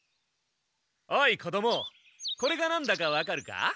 おい子どもこれがなんだかわかるか？